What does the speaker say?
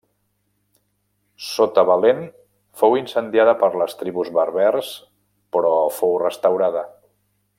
Sota Valent fou incendiada per les tribus berbers però fou restaurada.